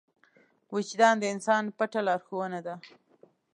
وجدان د انسان پټه لارښوونه ده.